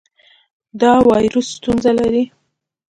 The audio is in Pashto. د وایرس ستونزه لرئ؟